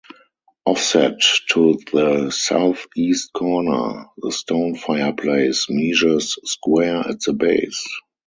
Offset to the southeast corner, the stone fireplace measures square at the base.